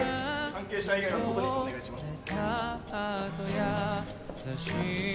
関係者以外は外にお願いします。